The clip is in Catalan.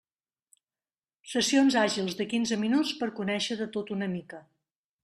Sessions àgils de quinze minuts per conèixer de tot una mica.